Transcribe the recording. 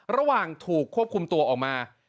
ระหว่างถูกควบคุมตัวออกมา